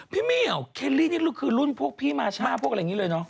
พี่เมียวเคลลี่นี่คือรุ่นพวกพี่มาช่าพวกอะไรอย่างนี้เลยเนาะ